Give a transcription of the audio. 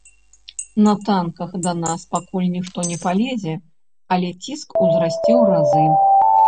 На танках да нас пакуль ніхто не палезе, але ціск узрасце ў разы.